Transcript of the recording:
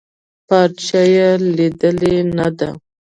پارچه يې ليدلې نده.